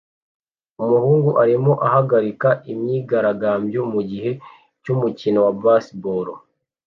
Umuhungu arimo ahagarika imyigaragambyo mugihe cy'umukino wa baseball